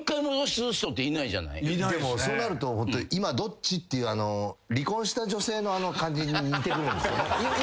でもそうなると「今どっち？」っていう離婚した女性のあの感じに似てくるんですよね。